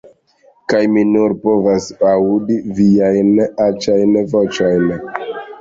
Kaj mi nur povas aŭdi viajn aĉajn voĉojn!